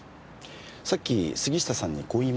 さっき杉下さんにこう言いましたよね。